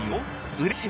うれしい。